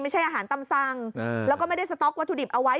ไม่ใช่อาหารตำสั่งแล้วก็ไม่ได้สต๊อกวัตถุดิบเอาไว้